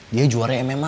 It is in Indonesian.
dia juara mma